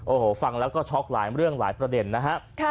โอ้โหฟังแล้วก็ช็อกหลายเรื่องหลายประเด็นนะครับ